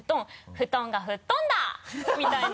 布団がふっとんだ！みたいな。